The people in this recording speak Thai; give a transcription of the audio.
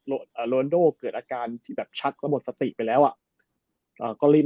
โรนโดเกิดอาการที่แบบชักแล้วหมดสติไปแล้วอ่ะอ่าก็รีบ